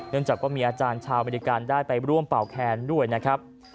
เนื่องจากว่ามีอาจารย์ชาวอเมริกาได้ไปร่วมเป่าแค้นด้วยนะครับ